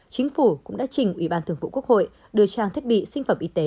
chính phủ cũng đã trình ủy ban thường vụ quốc hội đưa trang thiết bị sinh phẩm y tế